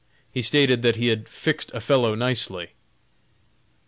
He stated that he had fixed a fellow nicely.